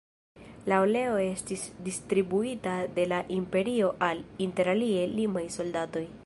La oleo estis distribuita de la imperio al, inter alie, limaj soldatoj.